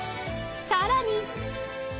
［さらに］